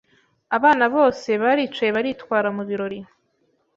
Abana bose baricaye baritwara mu birori.